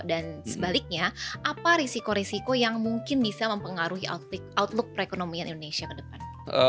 dan sebaliknya apa risiko risiko yang mungkin bisa mempengaruhi outlook perekonomian indonesia ke depan